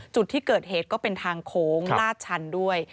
จุดที่เกิดเหตุก็เป็นทางโค้งลาดชันด้วย